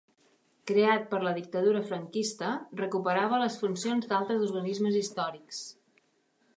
Creat per la Dictadura franquista, recuperava les funcions d'altres organismes històrics.